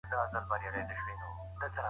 کميټي کله خپل کار پای ته رسوي؟